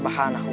dan dia menangis